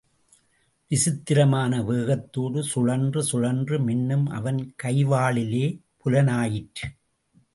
விசித்திரமான வேகத்தோடு சுழன்று சுழன்று மின்னும் அவன் கைவாளிலே புலனாயிற்று.